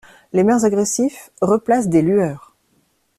Les maires agressifs replacent des lueurs!